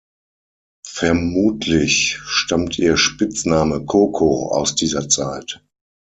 Vermutlich stammt ihr Spitzname „Coco“ aus dieser Zeit.